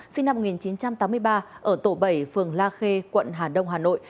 sinh năm một nghìn chín trăm tám mươi ba ở tổ bảy phường la khê quận hà đông hà nội